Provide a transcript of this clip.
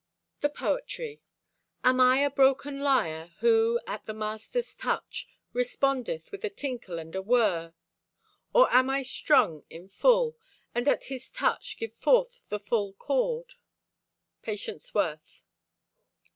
THE POETRY Am I a broken lyre, Who, at the Master's touch, Respondeth with a tinkle and a whir? Or am I strung in full And at His touch give forth the full chord? —PATIENCE WORTH.